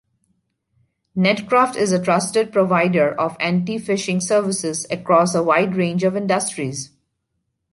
Netcraft is a trusted provider of anti-phishing services across a wide range of industries.